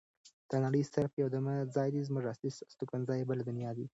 دا نړۍ صرف یو دمه ځای دی زمونږ اصلي استوګنځای بله دنیا ده.